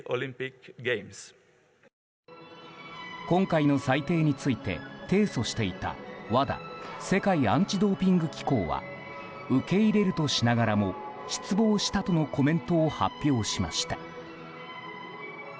今回の裁定について提訴していたＷＡＤＡ・世界アンチドーピング機構は受け入れるとしながらも失望したとのコメントを発表しました。